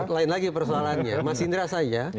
lain lagi persoalannya mas indra saya